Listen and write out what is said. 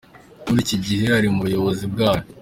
Muri iki gihe ari mu buyobozi bwayo.